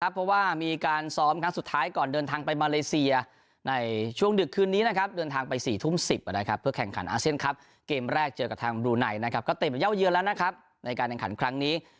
เพราะว่ามีการซ้อมครั้งสุดท้ายก่อนเดินทางไปมาเลเซียในช่วงดึกคืนนี้นะครับเดินทางไป๔ทุ่ม๑๐เพื่อแข่งขันอาเซียนครับเกมแรกเจอกับทางบลูไนนะครับก็เต็มเย่าเยือนแล้วนะครับในการแข่งขันครั้งนี้